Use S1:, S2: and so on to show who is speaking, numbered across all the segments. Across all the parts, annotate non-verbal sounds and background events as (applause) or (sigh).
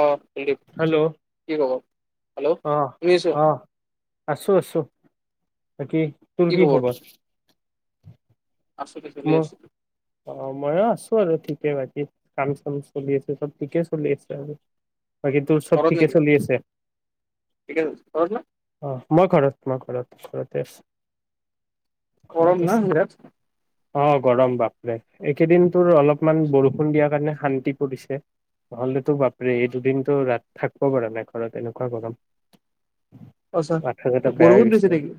S1: অ'। Kuldeep
S2: hello
S1: কি খবৰ, hello শুনিছো।
S2: আছোঁ, আছোঁ। বাকী তোৰ কি খবৰ?
S1: আছো দে চলি
S2: মই,
S1: আছো
S2: ময়ো আছোঁ আৰু ঠিক। (unintelligible) কাম চাম চলি আছে চব ঠিকে চলি আছে আৰু। বাকী তোৰ চব
S1: ঘৰত
S2: ঠিকে
S1: নেকি
S2: চলি আছে,
S1: ঠিকে আছে। ঘৰত না
S2: অ', মই ঘৰত মা ঘৰত ঘৰতে আছে।
S1: গৰম না ইয়াত
S2: অ', গৰম বাপৰে এইেদিন তোৰ অলপমান বৰষুণ দিয়াৰ কাৰণে শান্তি পৰিছে নহ'লেতো বাপ্পৰে এই দুদিনতো ৰাতি থাকিব পৰা নাই ঘৰত এনেকুৱা গৰম।
S1: আচ্ছা
S2: মাথা চাথা বেয়া হৈ
S1: বৰষুণ
S2: গৈছে
S1: দিছে নেকি?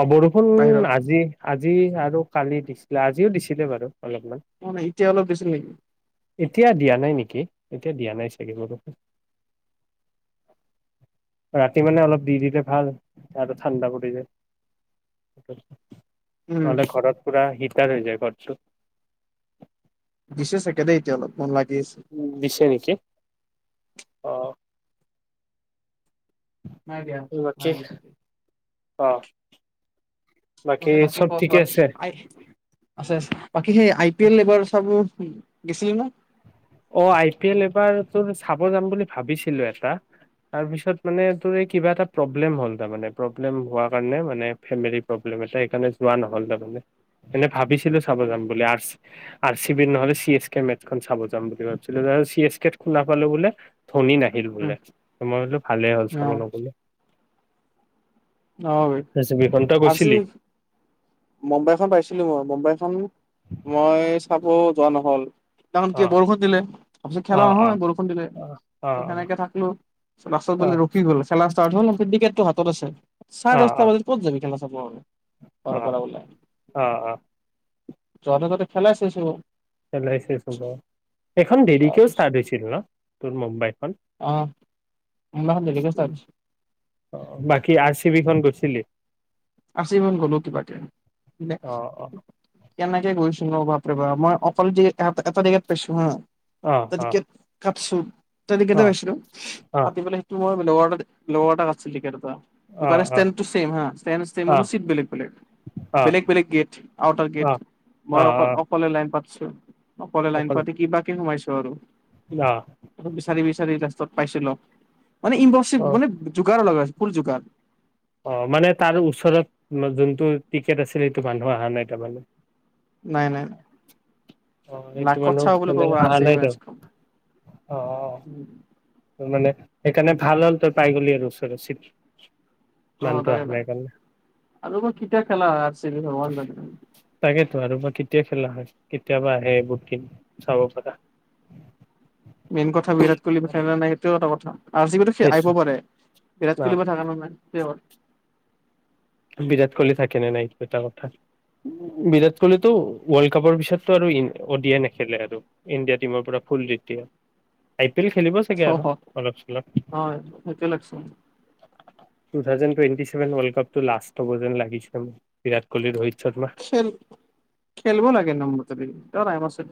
S2: অ', বৰষুণ
S1: বাহিৰত
S2: আজি আজি আৰু কালি দিছিলে আজিও দিছিলে বাৰু। অলপমান,
S1: অ নাই এতিয়া অলপ দিছিল নেকি
S2: এতিয়া দিয়া নাই নেকি? এতিয়া দিয়া নাই চাগে বৰষুণ, ৰাতি মানে অলপ দি দিলে ভাল গাটো ঠাণ্ডা পৰি যায়।
S1: উম
S2: নহ'লে ঘৰত হিতাৰ হৈ যায় ঘৰটো।
S1: দিছে চাগে দেই এতিয়া অলপ। মন লাগি আছে
S2: উম, দিছে নেকি? অ'।
S1: নাই দিয়া
S2: বাকী
S1: নাই দেখোন
S2: অ'।
S1: বাকী
S2: চব
S1: ক
S2: ঠিকে আছে
S1: আছে আ বাকী সেই আই পি এল এইবাৰ চাব উম গেছিলি ন
S2: ত চাব যাম বুলি ভাবিছিলো এটা তাৰপিছত মানে তোৰ এই কিবা এটা প্ৰব্লেম হ'ল তাৰ মানে প্ৰব্লেম হোৱাৰ কাৰণে মানে ফেমিলি প্ৰব্লেম এ সেইকাৰণে যোৱা নহল তাৰ মানে। ভাবিছিলো চাব
S1: অ
S2: যাম বুলি আৰ আৰ চি বিৰ নহলে চি এছ কে মেচখন চাব যাম বুলি ভাবছিলো চি এছ কে খু ন পালো বোলে ধনী নাহিল বোলে মই বোলো ভালেই হ'ল চাব নগ'লে
S1: অ
S2: আৰ চি বিখন তই
S1: আজি
S2: গৈছিলি
S1: মুম্বাইখন পাইছিলো মই মুম্বাইখন। মই চাব যোৱা নহ'ল কাৰণ
S2: অ
S1: কিয় বৰষুণ দিলে তাৰপিছত
S2: অ
S1: খেলা
S2: অ
S1: নহয় বৰষুণ দিলে
S2: অ অ
S1: সেনেকে থাকলো লাষ্টত
S2: অ অ
S1: বোলে ৰখি গল খেলা। ষ্টাৰ্ট হল টিকেট টো হাতত আছে চাৰে
S2: অ
S1: দহটা বজাত কত যাবি খেলা চাব। হব আৰু ঘৰৰ
S2: অ
S1: পৰা ওলাই
S2: অ অ
S1: যতে ততে খেলাই চাইছোঁ
S2: চাইছে সেইখন দেৰিকেও ষ্টাৰ্ট
S1: তাৰপিছত
S2: হৈছিল ন তোৰ মুম্বাইখন
S1: অ' সেইদিনাখন দেৰিকে ষ্টাৰ্ট হৈছে
S2: বাকী আৰ চি বিখন গৈছিলি?
S1: আচি খন গলো কিবা কে
S2: অ অ
S1: কেনেকে গৈছো ভা মই অকল এটা টিকেট পাইছো হা
S2: আহ আহ।
S1: ছু এটা টিকেট এ পাইছিলো
S2: অ অ
S1: পাতি পেলাই সেইটো মই লড ল'ড কছল
S2: অ
S1: আৰু
S2: অ
S1: (unintelligible) চিত বেলেগ বেলেগ
S2: অ অ
S1: বেলেগ বেলেগ গেট আউট অৰ গেট
S2: অ
S1: মই
S2: অ
S1: অকলে পাতছো অকলে লাইন
S2: অকল
S1: পাতি কিবাকে সোমাইচো চৰো
S2: অ
S1: বিচাৰি বিচাৰি ৰা ত পাইছিলো। মানে ই
S2: অ
S1: মানে জোগাৰ লগাইছে ফুল জোগাৰ
S2: অ মানে তাৰ ওচৰত যোনটো টিকেট আছিল সেইটো মানুহ অহা নাই তাৰমানে।
S1: নাই নাই
S2: অ
S1: নাই
S2: সেইটো
S1: কত
S2: মানুহ
S1: চাও বুলি
S2: মানে
S1: কব
S2: অহা নাই
S1: আছিলে।
S2: তেওঁ অ মানে সেইকাৰে ভাল হ'ল তোৰ পাইগলী আৰু ওচৰত চিত
S1: অঁ, তাকে ত আৰু মই কিতিয়া খেলা আচিল ভগৱান জনে।
S2: তাকেতো আৰু বা কেতিয়া খেলা হয় কেতিয়াবা আহে বুকিং চাব পৰা।
S1: মেইন কথা ভিৰাত কোহলী মোৰ (unintelligible) নাই। এ এটা কথা। আজি কিন্তু সি
S2: সেইটো
S1: আহিব পাৰে। বিৰাট (unintelligible) মন নাই। (unintelligible)
S2: বিৰাট কোহলি থাকেনে নাই এটা কথা। বিৰাট কোহিলীতো ৱৰ্ল্ড কাপৰ পিছতো আৰু অ দি আই নেখেলে আৰু, ইণ্ডিয়া টিমৰ পৰা ফুল ৰিটায়াৰ। এই সি খেলিব চাগে আৰু,
S1: কথা।
S2: অলপ চলপ।
S1: অ সেইটোৱে লাগছে
S2: two thousand twenty seven world cup টো লাষ্ট হব যেন লাগিছে মোৰ। বিৰাট কোহলি, ৰুহিত
S1: খেল খেলব লাগে ন, মোৰ মতে দি। এতিয়াও টাইম আছে টো।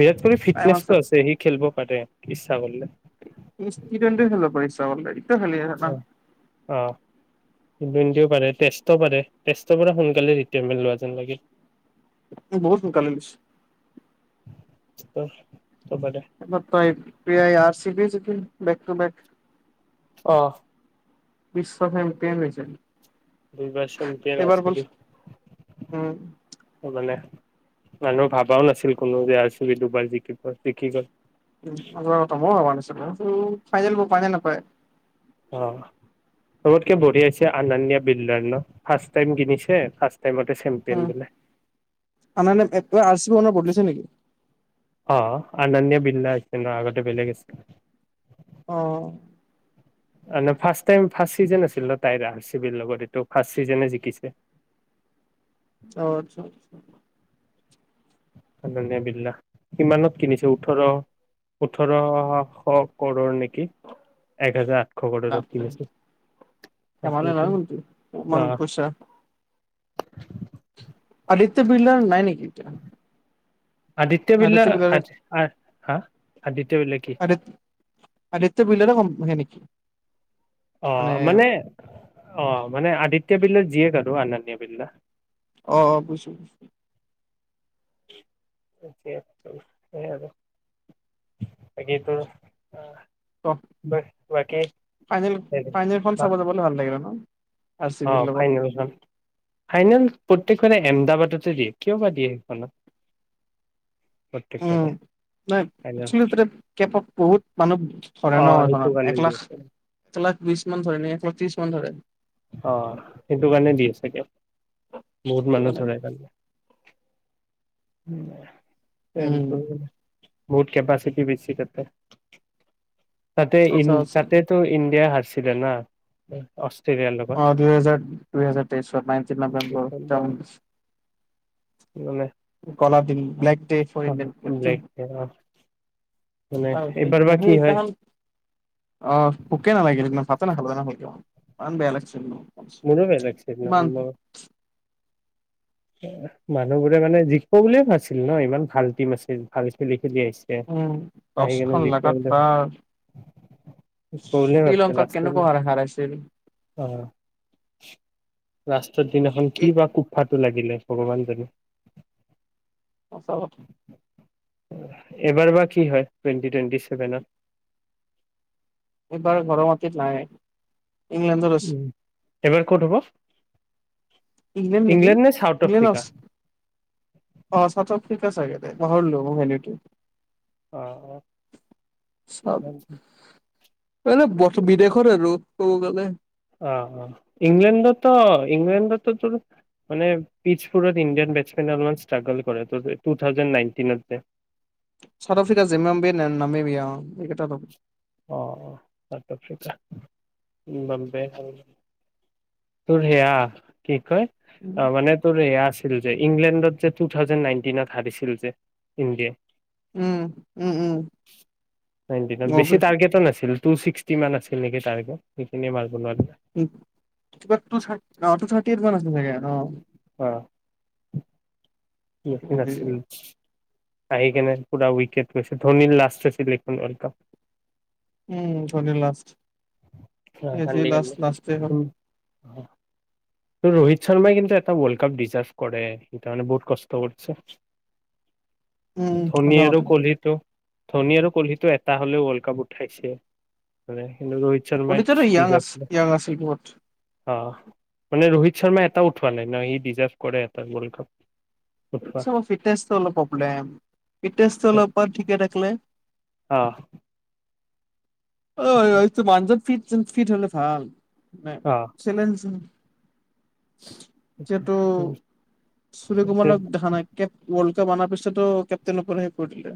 S2: বিৰাট কোহলিৰ ফিটনেছটো আছে সি খেলিব পাৰে, ইচ্ছা কৰিলে।
S1: বাওনন্দাৰী তো খেলি আছে ন।
S2: দেউ পাৰে, টেষ্ট ও পাৰে, টেষ্টৰ পৰা সোনকালে ৰিটাৰমেন লোৱা যেন লাগ।
S1: মোৰ বহুত টোকা লাগিছে।
S2: (unintelligible)
S1: অহ ত ই পি আই আৰ চি বি যি কিন। (unintelligible) Back to back.
S2: অহঃ।
S1: বিশ্ব চেম্পিয়ান হৈ যায়।
S2: দুইবাৰ চেম্পিয়ন আছিল,
S1: উম
S2: তাৰমানে। মানুহ ভাবাও নাছিল কোনো যে, আৰ, চি, বি দুবাৰ জিকিব, জিকি গল।
S1: উম, আগত মোৰো হোৱা নাছিলে। তো, ফাইনেল বো পায় নে নাপায়।
S2: অ', চবতকে বঢ়িয়া হৈছে আনান্য বিল্ডাৰ ন ফাৰ্ষ্ট টাইম কিনিছে ফাৰ্ষ্ট টাইমতে চেম্পিয়ন
S1: উম,
S2: বোলে।
S1: আনান্য (unintelligible) আৰ চি বি ওৱনাৰ বদলিছে নেকি?
S2: অ', অনন্যা বিৰলা হৈছে ন আগতে বেলেগ আছিল।
S1: অঁ।
S2: ফাৰ্ষ্ট টাইম ফাৰ্ষ্ট ছিজন আছিল ন তাইৰ আৰ চি বিৰ লগত এইটো ফাৰ্ষ্ট ছিজনে জিকিছে।
S1: অঁ আচ্ছা আত্ছা।
S2: অনন্যা বিৰল্লা কিমানত কিনিছে ওঠৰ ওঠৰশ কৌৰৰ নে কি এক হাজাৰ আঠশ কৌৰৰত
S1: বাপৰে
S2: কিনিছিল।
S1: ধেমালি নহয়
S2: তাকেইটো,
S1: কিন্তু ইমান
S2: অহ।
S1: পইচা
S2: (unintelligible)
S1: সেইতো বি়ল নাই নেকি এ।
S2: আদিত্য বিৰলা আ। হা। আদিত্য বিৰলা কি
S1: আদত আদিত্য বিৰলা নেকি।
S2: অ মানে অ মানে আদিত্য। তেতিয়া বেললো জীয়েকৰ আৰু আনন্য বেললা।
S1: অ বুজছো বুজছো।
S2: সেইয় আৰু বাকীতো আহ।
S1: অ ফাইনেল
S2: হেৰি
S1: ফাইনেলখন চাব যাবলৈ ভাল লাগিলে ন। আৰ চি
S2: অ
S1: বিৰ লগত
S2: ফাইনেলখন ফাইনেল। গেইখনে এমদাবাদতে দিয়ে কিয় বা দিয়ে সেইখনত।
S1: উম নাই একেল কে বহুত মানুহ ধৰে
S2: অ
S1: ন স
S2: সেইটো
S1: এক
S2: কাৰণে দি
S1: লাখ লাখ।
S2: আছে
S1: এক লাখ বিশ এক লাখ ত্ৰিশ।
S2: অ সেইটো কাৰণে দি আছে বহুত
S1: সেইটো
S2: মানুহ
S1: মানে
S2: ধৰে কাৰণে। উম। টেন
S1: উম
S2: চু। বহুত কেপাচিটি বিটতে। তাতে ই
S1: আচ্ছা আচ্ছা
S2: তাতেতটো ইণ্ডিয়া। আছিলে ন অষ্ট্ৰেলিয়া।
S1: অ দু হেজাৰ দু হেজাৰ তেইশৰ নাইনটিন নৱেম্বৰ।
S2: মানে।
S1: Colour the black. Day for
S2: uh
S1: Indian
S2: ব্লে
S1: cricket.
S2: অ মানে এইবাৰ
S1: সেইদিনা
S2: বা কি হয়।
S1: সেইদিনাখন অ ভোকে নালাগিল ফচ না খাল নাালমান বেয়া লাগিছিল।
S2: নিলো বেলেগ চি
S1: ইমান
S2: নাখনন। মানুহ বোৰে মানে জিকিব বুলিয়ে ভ নাছিল ন ইমান ভাল টিম আছিল ভালছিল।
S1: উম দচখন লগাগাত তাৰ
S2: বুলিয়ে ভাবিছে
S1: শ্ৰীলংক
S2: লাষ্টত
S1: কেনেকুৱা হ হৰাইছিল।
S2: ৰাস্তা।
S1: এই
S2: কিবা ফু পাত। লাগিলে ভগৱান জানে।
S1: সচাঁ কথা।
S2: এবাৰ বা কি হয় টুৱেটি টুৱেণ্টি ছেভেনত
S1: এইবাৰ ঘৰৰ মাটিত নাই। ইংলেণ্ডত আছ
S2: উম এবাৰ ক'ত হ'ব?
S1: ইংলেণ্ড নেকি
S2: নে চাউথ আফ্ৰিকা
S1: (unintelligible) অ', চাউথ ঠিক আছোগে পাহৰলো ম মেনেউট
S2: অ', অ'।
S1: এনে বৰ বিদেশৰে আৰু ক'ব গ'লে।
S2: অহ, অহ, ইংলেণ্ডততো ইংলেণ্ডো তোৰ মানে পিচপুৰত ইণ্ডিয়ান বেটেনলমান ষ্ট্ৰাগল কৰে ত two thousand nineteen
S1: South Africa জিমাম্বিয় ন' নামিবিয়া এইকেইটা
S2: অ', চাউথ আফ্ৰিকা ব তোৰ সেয়া কি হয়
S1: উম
S2: অ', মানে তোৰ এয়া আছে। যে ইংলেণ্ডত যে টু থাউজেড নাইনটিনত হাৰিছিল যে ইণ্ডিয়াই।
S1: উম, উম, উম, বব।
S2: আছিল টু চিক্সটিমান আছিল নেকি টাৰ্গেট সেইখিনিয়ে নোৱাৰিলে
S1: কিবাত তু অ', তু থাৰ্টি মান আছিল চাগে অ'।
S2: (unintelligible) আহিকিনে পুৰা উইকট পছে ধোনীৰ লাষ্ট আছিল সেইখন ৱৰ্ল্ড কাপ।
S1: উম, ধোনীৰ লাষ্ট এ যি
S2: কান্দি কান্দি
S1: লাষ্ট লাষ্টেই হ'ল।
S2: ত' ৰোহিত শৰ্মাই কিন্তু এটা ৱৰ্ল্ড কাপ ডিজাৰ্ভ কৰে সেইটো মানে বহুত কষ্ট ত কৰছে।
S1: উম
S2: ধোনী
S1: সঁচা
S2: আৰু
S1: কথা
S2: ক'লীটো ধোনী আৰু কোহলিতটো এটা হ'লেও ৱৰ্ল্ড কাপ উঠাইছে মানে কি ৰোহিত শৰ্মা
S1: কলিতাৰো য়াং আছিল য়াং আছিল বহুত
S2: অ', মানে ৰোহিত শৰ্মা এটা উঠোৱা নাই ন' সি ডিজাৰ্ভ কৰে এটা ৱৰ্ল্ড কাপ। উঠোৱা
S1: ফিটনেচটো অলপ প্ৰব্লেম ফিটনেচটো অলপ ঠিকে থাকিলে
S2: আহ।
S1: অ এই মানুহ জন ফিট। ফিট হ'লে ভাল। ন
S2: অ
S1: (unintelligible) চেলেঞ্জ যিহেতু সূৰি কমালক দেখা নাই কেপ ৱৰ্ল্ড অনাৰ পিছতো কেপটেইন হ'বলৈ কৈ দিলে।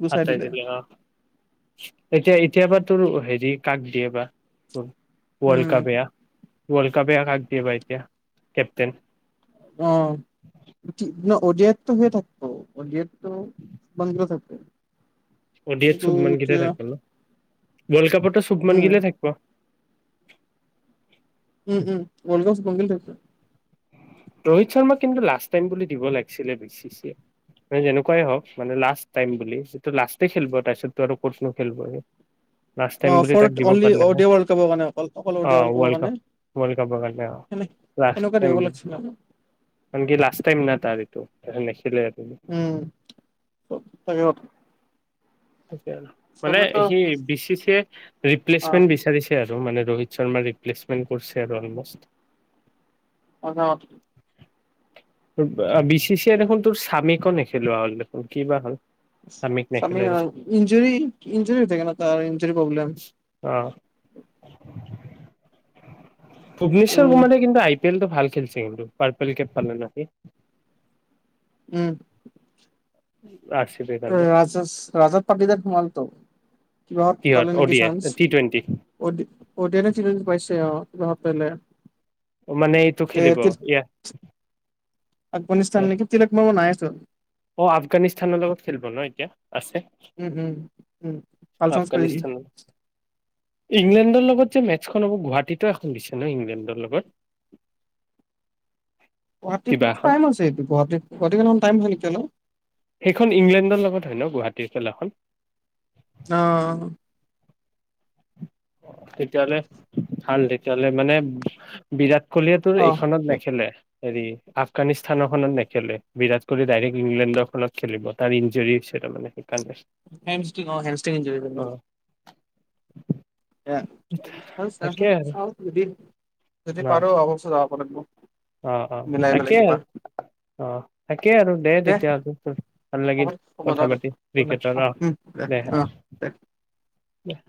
S1: গুচাই
S2: আাতাই
S1: দিলে।
S2: কেইটা অ' এতিয়া এতিয়া পৰা তোৰো হেৰি সি কাক দিয়ে বা? World
S1: um.
S2: কাপ এয়া। ৱৰ্ল্ড কাপে কাক দিয়ে বা এতিয়া কেপ্টেইন।
S1: উম ন (unintelligible) অডিয়াতটো হৈ থাকব অডিয়াতটো বন্ধ থাকে।
S2: অডিয়
S1: কিন্তু
S2: চুভমানগিল
S1: এতিয়া
S2: থাকিব ন ৱৰ্ল্ড কাপতো চুভমান
S1: উম,
S2: গিলে থাকিব।
S1: উম উম ৱল্ডত চুভমন গিল্ থাকিব।
S2: ৰোহিত শৰ্মাক কিন্তু লাষ্ট টাইম বুলি দিব লাগিছিলে বি চি দিয়ে। যেনেকুৱাই হওঁক মানে লাষ্ট টাইম বুলি যিটো লাষ্টেই খেলিব তাৰপিছততো আৰু ক'তনো খেলিব হি।
S1: অফাৰড অনলি অডিয় ৱল্ড কাপৰ কাৰণে। অকল
S2: অ
S1: অডিঅ ৱল্ড কাপৰ
S2: ৱৰ্ল্ড
S1: কাৰণে
S2: কাপ ৱৰ্ল্ড
S1: সেনেকোৱা দিব লাগিছিল।
S2: কাৰ কি লাষ্ট টাইম না তাৰ ইটো। নেছিলে
S1: উম, চাগ
S2: তাক আৰু মানে সি বি চি চি
S1: অ'
S2: ৰিপ্লেচমেন্ট বিচাৰিছে আৰু মানে। ৰোহিত শৰ্মাৰ ৰৰিপ্লেছমেণ্ট কৰিছে আৰু অলমোষ্ট।
S1: সঁচা কথ
S2: বি চি চি এ দেখোন তোৰ সামীক নেখেলোৱা হ'ল দেখোন কি বা হ'ল। স্বামীক
S1: সামীৰ
S2: নেখেলাই দেখোন।
S1: ইঞ্জৰী ইঞ্জৰী হৈ থাকে ন' তাৰ ইঞ্জৰী প্ৰব্লেম।
S2: (inaudible) ভূৱনেশ্বৰ
S1: উম
S2: কুমাৰে কিন্তু আই পি এলটো ভাল খেলছি কিন্তু পাৰপেল কেপ পালে ন' সি।
S1: উম।
S2: উম।
S1: ৰাজা ৰাজত পাটিদাৰ সোমালটো। কিবা
S2: কিহত
S1: পালে
S2: অ
S1: নেকি
S2: D I
S1: chance
S2: T twenty
S1: Audi আই পাইছে অ'। (unintelligible)
S2: মানে এইটো খেলিব ৰিয়া
S1: আফগানিস্তা নেকি বেলেগ মানুহ নাইয়ে চোন। চল (unintelligible)
S2: অ' আফগানিস্তানৰ লগত খেলিব ন এতিয়া? আছে
S1: উম, উম, উম, কালচাৰ্চ পেৰি
S2: আফগানিস্তানৰ ইংলেণ্ডৰ লগত যে মেচখন হ'ব গুৱাহাটীতো এখন দিছে ন ইংলেণ্ডৰ লগত।
S1: গুৱাহাটী
S2: কিবা এখন
S1: টাইম আছে এইটো। গুৱাহাটীত গুৱাহাটী অকনমান টাইম হয় নেকি অলপ।
S2: সেইখন ইংলেণ্ডৰ লগত হয় ন গুৱাহাটীৰ খেলাখন?
S1: আহ
S2: তেতিয়া হ'লে ভাল তেতিয়াহ'লে মানে বিৰাট কলিয়াটোৰ
S1: অ অ
S2: এইখনত নেখেলে হেৰি আফগানিস্তানৰখনত নেখেলে বিৰাট কোহলি ডাইৰেক্ট ইংলেণ্ডৰ খনত খেলিব তাৰ ইঞ্জৰি হৈছে তা মানে
S1: হেমিক অ হেষ্টিকি।
S2: অ
S1: এ মই
S2: তাকে আৰু
S1: চাওঁ হুদি, যদি
S2: ন
S1: পাৰো অৱশ্য য (unintelligible)
S2: অ অ তাকে আৰু অ, তাকে আৰু দে তেতিয়াহ ভাল
S1: হ'ব
S2: লাগিল
S1: দে হ'ব দে
S2: কথা
S1: দে
S2: পাতি ক্ৰিকটৰ অ দে অ দে।